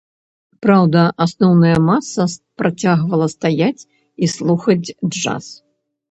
Праўда, асноўная маса працягвала стаяць і слухаць джаз.